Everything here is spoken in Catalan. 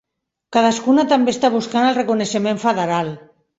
Cadascuna també està buscant el reconeixement federal.